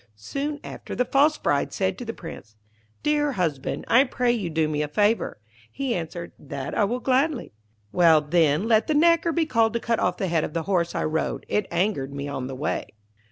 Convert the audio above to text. Soon after, the false bride said to the Prince, 'Dear husband, I pray you do me a favour.' He answered, 'That will I gladly.' 'Well, then, let the knacker be called to cut off the head of the horse I rode; it angered me on the way.'